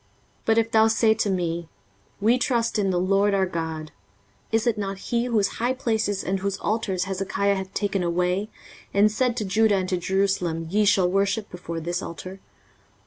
23:036:007 But if thou say to me, We trust in the LORD our God: is it not he, whose high places and whose altars Hezekiah hath taken away, and said to Judah and to Jerusalem, Ye shall worship before this altar?